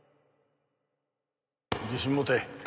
自信持て